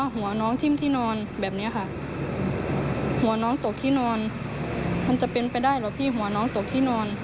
หัวน้องตกที่นอนมันจะเป็นไปได้หรอพี่หัวน้องตกที่นอน